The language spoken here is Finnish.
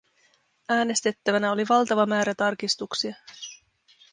Äänestettävänä oli valtava määrä tarkistuksia.